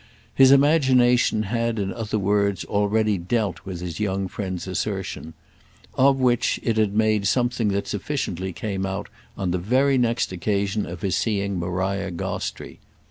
His imagination had in other words already dealt with his young friend's assertion; of which it had made something that sufficiently came out on the very next occasion of his seeing Maria Gostrey.